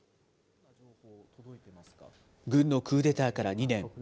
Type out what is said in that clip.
軍のクーデターから２年。